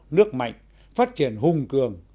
nước mạnh phát triển hùng cường